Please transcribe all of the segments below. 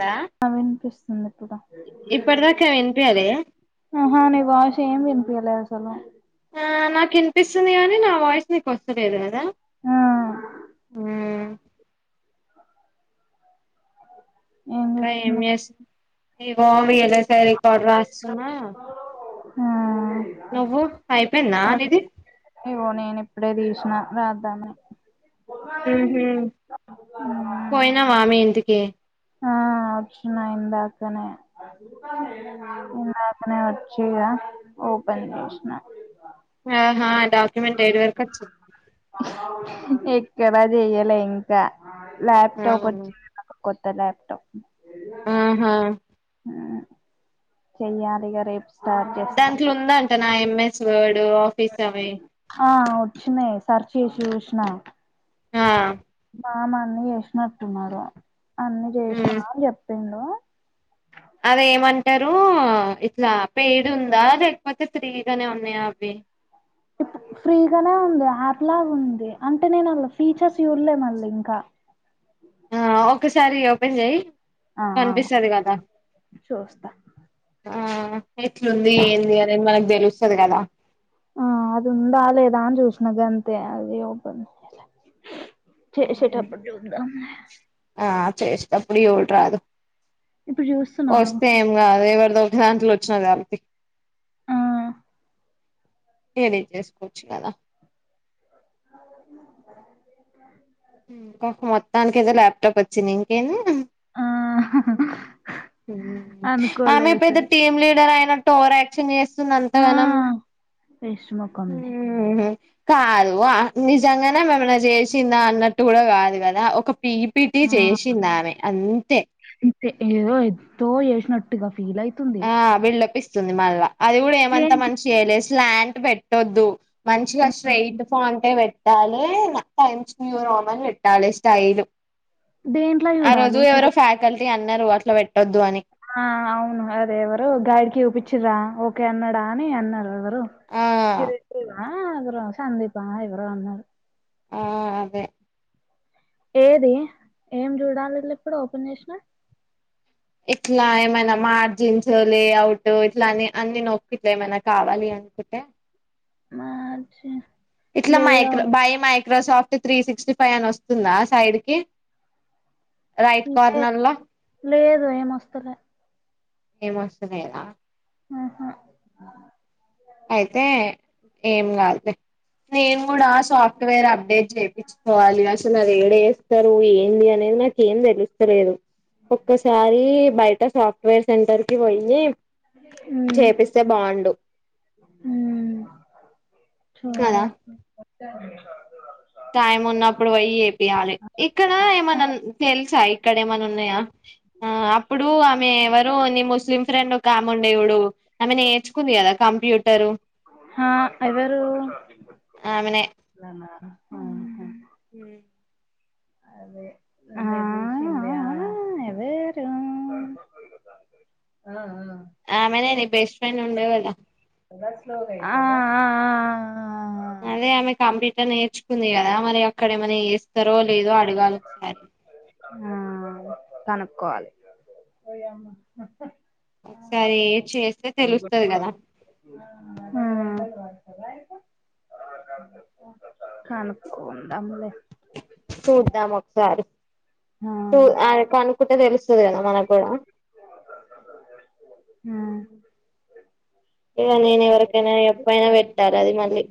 దా ఆ, వినిపిస్తుంది. ఇప్పుడు ఇప్పటిదాకా వినిపియలే ఆహా నీ వాయిస్ ఏం విన్ పియ్యలేసాను. ఆహ్ నాకు వినిపిస్తుంది కాని నా వాయిస్ నీకు వస్తలేదు కదా. ఆహ్ మ్మ్ ఇంకా ఏం చేస్ ఇగో విల్ యస్ రికార్డు రాస్తున్నా. ఆహ్. నువ్వు అయిపోయిందా నీది. ఇగో నేను ఇప్పుడే తీసిన రాద్దామనీ. ఉమ్మ్ పోయినావ మీ ఇంటి కి. ఓకే ఆహ్ రాశిన ఇందాకనే. ఇందాకనే వచ్ వచ్చిన ఓపన్ చేసిన. ఆహ్ డాక్యుమెంట్ ఏడీ వరకు వచ్చింది. ఎక్కడా చేయ్యాలే ఇంకా. ల్యాప్టాప్ అవును వచ్చింది నాకు కోత్ కొత్త ల్యాప్టాప్. ఆహా చెయ్యలిగ రేపు. స్టార్ట్ చేస్తా దాంట్లో ఉందంటానా ఎంఎస్ వర్డ్. ఆఫీస్ అవి. ఆహ్ వచ్చినాయి సర్చ్ చేసి చూసిన. ఆహ్ మామా అన్ని చేసినట్టున్నారు. అన్ని చేసినా మ్మ్ అని చెప్పిండు. హలో అదేమంటారు ఇట్లా పెయిడ్ ఉందా లేకపోతే ఫ్రీగానే ఉన్నాయా అవి ఫ్రీగానే ఉంది యాప్ లాగ ఉంది. అంటే నేను అండ్ల ఫీచర్స్ చూడలే మళ్ళా ఇంకా. ఆ ఒకసారి ఓపెన్ చెయ ఆహ్ చూస్తా. ఆహ్ ఎట్లుంది ఏంది అనేది మనకు తెలుస్తది కదా. ఆహ్ అది ఉందా లేదా అని చూసినా గంతే అది ఓపెన్. చేసేటప్పుడు చూద్దాంలే. ఆ చేసే టప్పుడు చూడ రాదు ఇప్పుడు చూస్తున్నా ఆగు వస్తే ఏం కాదు ఒక దాంలో వచ్చినది కళ్పి ఆ ఏనేం చేసుకోవచ్చు కదా అ మొత్తానికి ఏదో ల్యాప్టాప్ వచ్చింది ఇంకెంది ఆ అనుకోలే ఆమె పెద్ద అసలు టీమ్ లీడర్ అయినట్టు ఓవర్ యాక్షన్ చేస్తూ ది ఆ అంతగానం వేస్ట్ మొఖంది కాదు నిజంగానే ఆమె ఏమ్మన్నా చేసిందా అన్నట్టు కూడా కాదు కదా ఒక పి పి టి ఆ చేసింది ఆమె అంతే అంతే ఏదో ఎదో చేసినట్టుగా ఫీల్ అయితుంది ఆ బిల్డప్ ఇస్ వస్తుంది మల్లా అది కూడా ఏమంతా మంచిగా చేయలే ప్లాంట్ పెట్టొద్దు మంచిగా దేనికి స్ట్రైట్ పాంట్ ఏ పెట్ ట్టాలే టైంస్ూ రోమన్ విట్టాలి స్టైల్ దేంట్లో ఆ రోజు చూడాలి? ఎవరో ఫ్యాకల్టీ ది అన్నారు అట్లా పెట్ ఆ అవును అదేవ గైడికి చూపించరా ఓకే అన్నాడా అని అన్నారు ఆ హిర ఆ అదర సందీపాా ఎవరో అన్నారుారు ఆ అదే ఏది ఏం చూడాలి ఇప్పుడు ఓపెన్ చేసిన ఇట్లా ఏమైనా మార్జిన్స్ లేఅవుట్ ఇట్లాని అన్ని నొక్ ఇట్లా ఏమైనా కావాలి అనుకుంటే మాజ ఇట్లా మైకా బయ Microsoft three sixty five అని వస్తుందా సైడ్ కి రైట్ లే కార్నర్లా లేదు ఏం రావట్లే ఏం వస్తలేదా ఆహా అయితే ఏం కాదులే నేను కూడా ఆ సాఫ్ట్వేర్ అబ్ చెప్పిచ్చు కోవాలి అసలు అది యెడ చేస్తారో స్తారు ఏంది అనేది నాక ఏం తెలుస్తలేదు ఒక్కసారి బయట సాఫ్ట్వేర్ సెంటర్కి పొయ్యి చేపిస్తే బాగుండు మ్ చోడ కదా యాలి, ఇక్కడ ఏమన్నా తెలుసా ఇక్కడ ఏమన్నా ఉన్నాయా, ఆ అప్పుడు ఆమె ఎవరు నీ ముస్లిం ఫ్రెండ్ కాముండే చూడు, ఆమె నేర్చుకుంది కదా కంప్యూటరు ఆ! ఎవరు ఆ అమనే మ్ అదే నవ ఎవరు ఆమెనే బెస్ట్ ఫ్రెండ్ ఉండ కదా అ అ అ అదే ఆమె కంప్లీట్ నేర్చుకుంది కదా మరి అక్కడ ఏమనా చే ఇస్తారో లేదో అడగాలి ఒకసారి ఆ కనుక్కోవాలి ఒకసారి ఏ చేస్తే తెలుస్తది కదా గంటలు పడతదా కనకు ఉంటాములే చూద్దాం ఒకసారి ఆ చూనుకుంటే తెలుస్తుంది కదా మనకు కూడా ఇక నేను ఎవరికైనా ఎప్పుైనా పెట్టాల అది మళ్ళీ,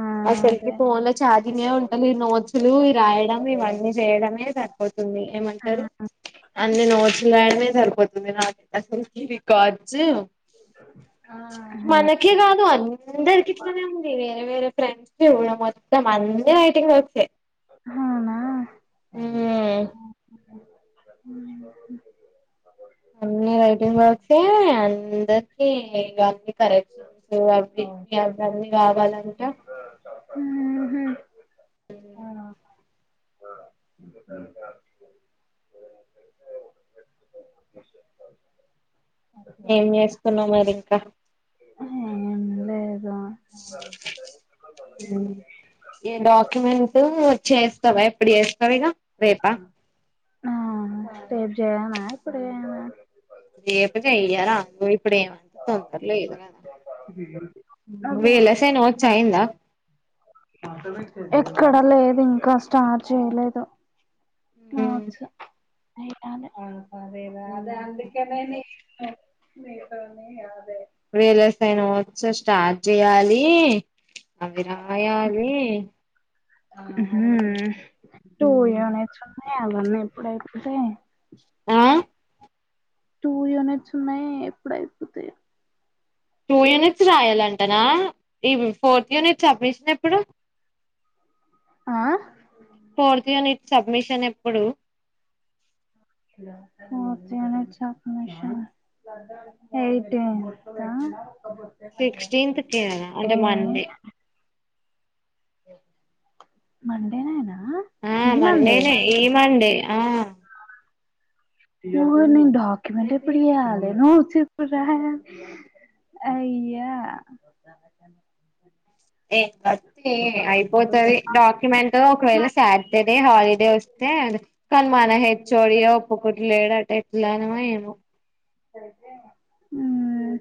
ఆ అసలుకి అదే ఫోన్ లో చఛార్జింగ్ ఉంటాల ఈ నోట్సులు రాయడం ఇవన్నీ చేయడమే సరిపోతుంది, ఏమంటారు ఆ అన్ని నోట్స్లు రాయడమే సరిపోతుంది నాకు అసలుకి రికార్జ మనకి కా అందరికి ఇట్లానే ఉంది వేరే వేరే ఫ్రెండ్స్ చడం మొత్తం అంద టింగ్ వస్తే అవునా అన్ని రైటింగ్ వర్క్సే అందరికి ఇన్ని కరెక్షన్స్ సో అ కావాల ఏట హ హ ఏం చేస్తుకున్నాం మరి ఇంకా ఏం లేదు ఈ డాక్యుమెంట్ వచ్చస్తావా ఎప్పుడు చేస్తావగా రేపా ఆ చేయనా ఇప్పుడయనా రేపకి అయ్యార అంగ ఇప్పుడు ఏమంత తొందర లేదు కదా బ వేళసే నుచ్చయిందా ఎక్కడ లేదు ఇంకా స్టార్ చేయలేదు హ నోట్స్ ఎయ్యాలె హ ఇప్పుడు రలస్న వచ్చ స్టార్ట్ చేయాలి అవి రాయాలి హ టూ యానే చ ఏ అవన్ ఎప్పుడు అయిపోతే ఆ టూ యూనిట్స్ ఉన్నాయి ఎప్పుడు అయిపోతాయో టూ యూనిట్స్ రాయాలంటనా ఈ ఫోర్త్ యూనిట్స్ సబ్మిషన్ ఎప్పుడు ఆ ఫోర్త్ యూనిట్ సబ్ మిషన్ ఎప్పుడు ఫోర్త్ యూనిట్ సబ్మిషన్ ఎయిటీంత్ ఆ సిక్స్టీంత్ కిన నా అంటే మండే మండే నేనా ఆ ఈ మండే మండేనే ఈ మండే ఆ ఓ నేను డాక్యూమెంట్ ఎప్పుడు చేయలేను నోట్స్ ఎప్పుడూరాయ అయ్యా ఏ వత్తే అయిపోతది, డాక్యుమెంట్ ఒకవేళ సాటర్డే హాలిడే వస్తే, కాన్ మన హెచ్ ఓ డి ఒప్పుకుట్లేడేట ఎట్లానమో ఏమో. మ్మ్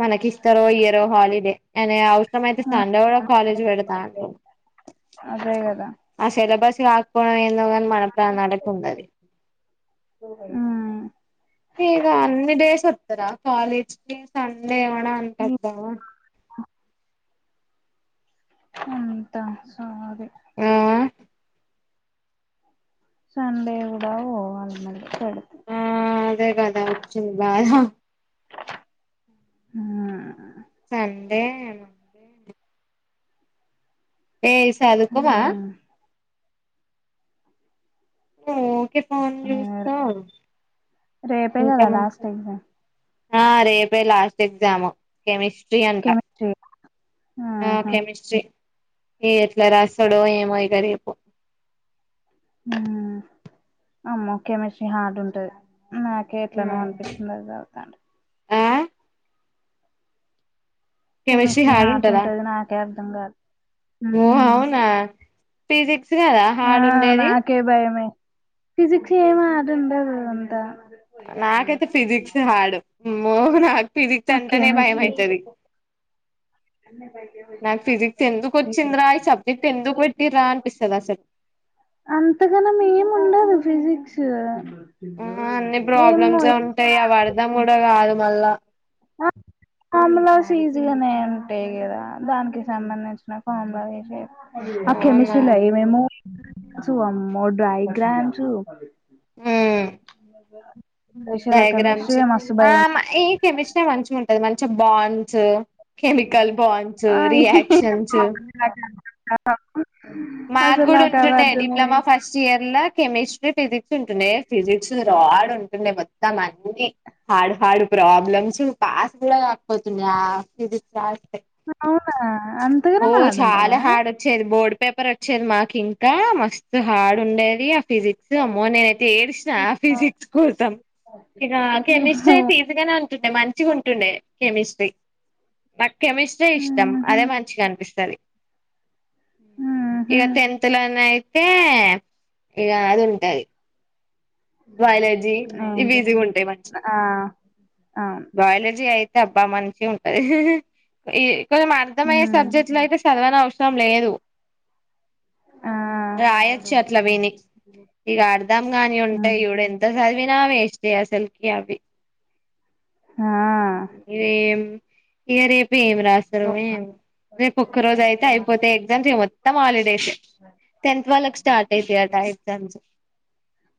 మనకి ఇస్తారో ఇయ్యరో హాలిడే అనే అవసరం ఆ, అయితే, సండే కూడా కాలేజ్ పెడతా అంటు, అదే కదా ఆ సెలబస్ త్యాకపోయిన ఏందో కాన్ మనకు [unintelligible] ఉండది ఆ ఇగ అన్ని డేస్ వత్తరా కాలేజ్కి సన్ ఏం మనా అంటద్దావా అంతా సోది ఆ సండే కూడ వోవాళి మరి పెడ్ ఆ అదే కదా వచ్చింది బాధా హ్మ్ ఆ సందే మండే హేయ్ చదువుకోవా ఉమ్, ఆ ఓకేత్ ఆ రే రేపే ఇంకా కదా లాస్ట్ అయిందే ఆ రేపే లాస్ట్ ఎగ్జాము కెమిస్ స్ట్రీ అంట కెమిస్ట్రీ ఆ ఆహా కెమిస్ట్రీ ఏ ఎట్లా రాసడో ఏమో ఇక రేపు హ్మ్ అమ్మో కెమిస్ట్రీ హార్డ్ ఉంటది. నాకే ఎట్లనో అనిపించింది. అది చదువుతాంటే ఆ కెమిస్ట్రీ హార్డ్ హార్ట్ ఉంటదా ఉంటది. నాకే అర్థం కాదు హ్మ్మ్ ఫీజిక్స్ క్స్ కదా హార్డ్ ఉండేది ఫిజక్స్ ఏం ఆటుండదు అంత నాకైతే ఫిజిక్సే హార్డు మ్ హో నాకు ఫిసిక్స్ ఆ అంటనే భయం కెమిస్ట్రీ ఐతాది నాకు ఫిజిక్స్ ఎందుకు వచ్చింద్రా ఈ సబ్జెక్ట్ ఎందుకు పెట్టిర్రా అనిపిస్తది అసలు అంతగనం ఏం ఉండదు ఫిజిక్స్ ఆ అన్నీ ఏమో ప్రాబ్లమ్సే ఉంటాయి అవి అర్ధం కూడా కాదు మళ్ళా [inaudible] ఫార్మ్లాస్ ఈజీగానే ఉంటాయి కదా దానికి సంబంధించిన ఫార్ములాలు ఐతే ఆ అవునా కెమిస్ట్రీ లో ఏమేమో చూ అమ్మో డైగ్రామ్సూ చేసేది కెమిస్ట్రీ డైగ్రామ్స్ మస్తు భయం ఆం ఈ కెమిస్ తే మంచిగుంటది మంచి బాండ్స్ కెమికల్ బాండ్స్ ఆ [inaudible] రియాక్షన్స్ [inaudible] మాకు అసలు కూడా నాకు అవి ఉంటుండే అర్థమే డిప్లొమా ఫస్ట్ ఇయర్లో కెమిష్ ఫిజిక్స్ ఉంటుంది ఫిజిక్స్ రాడ్ ఉం మొత్తం అన్ని హాడ్ హాడ్ ప్రోబ్లమ్స్ పాస్ [unintelligible] అవునా అంతగానే ఓ చాలా మాడుంటదా హార్డ్ వచ్చేది బోర్డు పేపర్ వచ్చేది మాకు ఇంకా మస్తు హార్డ్ ఉండేది ఫిజిక్స్ అమ్మో నేనయితే ఏడ్చినా ఆ ఫిజిక్స్ కోసం ఇక కెమిస్ట్రీ ఓహో అయి తీసుగానే ండే మంచిగా ఉంటుండే కెమిస్ట్రీ, నాకు కెమిస్ట్రీ ఇష్టం ఆహా అదే మంచిగా అనిపిస్తది. ఆహా ఇక టెంత్ లనేయి తె ఇక అది ఉంటది బయలజి ఇవి ఏంటి ఇజీ ఉంటాయి మ ఆ అవును బయలజీ అయిత్ అబ్బా మంచిగా ఉంటది ఈ ఏమైనా అర్థమైయె హ్మ్ సబ్జెట్లు అయితే చదవ నా రం లేదు ఆ రాయొచ్చు అట్లా విని ఇక అర్ధం గాని ఉ ఇ హ్మ్. ఇవడా ఎంత వినా వేచతే అసెలుకి అవి ఆ ఇద ఏం ఇయరీ పి ఏమి రాస్తారో ఓహ్! ఏమో రేపు ఒక్క రోజు అయితే అయిపోతే ఎగ్జామ్స్ ఇగ మొత్తం హాలిడేసే టెన్త్ వాళ్ళకు స్టార్ట్ అయితాయి అట టంచు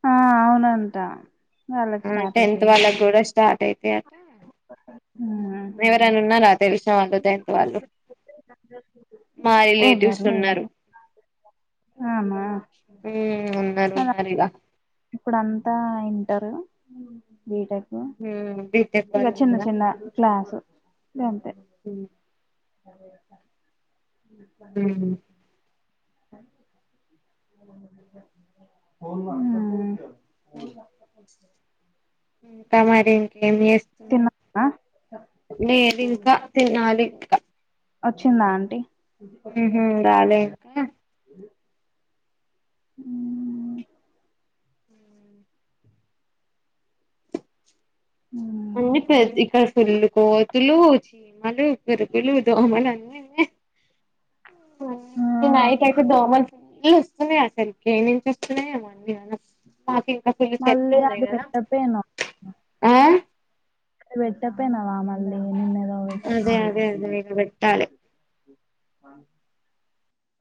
ఆ అవునంట వాళ్ళకి ఆ స్టార్ట్ టెన్త్ అయితాయి ఇంగ వాళ్ళకు కూడా స్టాట్ ఐ తే అట హ్మ్ ఎవరైనున్నారా తెలుసా అంట టెంత్ వాళ్ళు మా రిలేటివ్స్ ఎవ్వరు ఉన్నారు లేరు ఆమా ఊ ఉన్నారు ఉన్నారు ఈడ ఇప్పుడతా ఇంటరు బీటె ఊ ఉమ్ బీటెక్ ఇగ వాళ్ళు చిన్న ఉన్నారా చిన్న క్లాసు గంతే అరవై రూపాయలు ఉమ్ [inaudible] [inaudible] ఇంకా మరేంటి ఏం చేస్తున్నా తిన్నావా నేనింకా తినాలి వచ్చిందా ఆంటీ ఉ హు రాలే ఇంకా హూ ఇంకా ఉండిపోయిద్ది ఇక్కడ ఫులు కోతులు చీమలు పురుగులు దోమలు అన్నీ ఉన్నాయి ఆ! నైట్ అయితే దోమలు నీల్లు వస్తున్నాయ అసలుకే ఏనుంచి వస్తున్నాయె ఏ మె అన్నీ అనస్ మాకు ఇంక్ నాకు కొన్ని చెట్లు మళ్ళీ ఉన్నాయి అది కదా పెట్టపోయినవ్ ఆ అది పెట్టప్పేనావామక్ అదే అదే అదే [unintelligible] పెట్టాలి మాన్క్